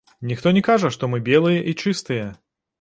Ніхто не кажа, што мы белыя і чыстыя.